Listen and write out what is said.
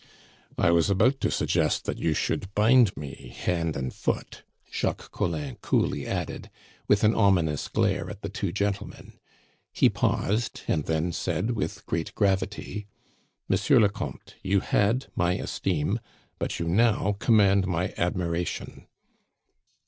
"I was about to suggest that you should bind me hand and foot," Jacques Collin coolly added, with an ominous glare at the two gentlemen. He paused, and then said with great gravity: "Monsieur le Comte, you had my esteem, but you now command my admiration."